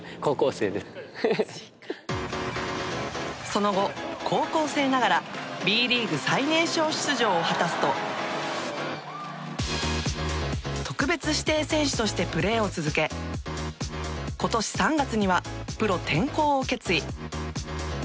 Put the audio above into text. その後、高校生ながらＢリーグ最年少出場を果たすと特別指定選手としてプレーを続け今年３月にはプロ転向を決意。